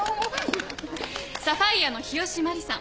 サファイアの日吉麻里さん。